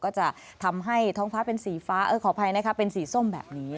ก็จะทำให้ท้องฟ้าเป็นสีฟ้าขออภัยนะคะเป็นสีส้มแบบนี้